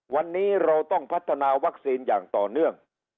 วันนี้เราต้องพัฒนาวัคซีนอย่างต่อเนื่อง